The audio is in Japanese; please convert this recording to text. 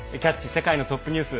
世界のトップニュース」。